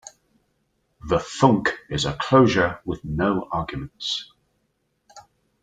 The thunk is a closure with no arguments.